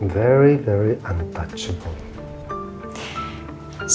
sangat sangat tak terhubung